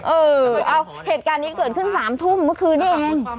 เออเอาเหตุการณ์นี้เกิดขึ้น๓ทุ่มเมื่อคืนนี้เอง